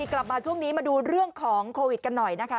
กลับมาช่วงนี้มาดูเรื่องของโควิดกันหน่อยนะคะ